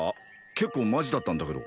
結構マジだったんだけど